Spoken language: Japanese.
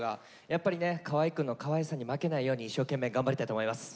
やっぱりね河合くんのかわいさに負けないように一生懸命頑張りたいと思います。